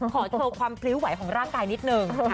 ขอโชว์ความพริ้วไหวของร่างกายนิดนึง